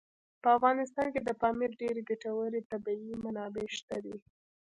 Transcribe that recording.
په افغانستان کې د پامیر ډېرې ګټورې طبعي منابع شته دي.